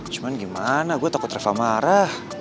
cuman gimana gue takut rekal marah